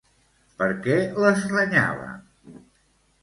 Per què les renyava?